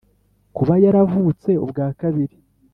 Kuba yaravutse ubwa kabiri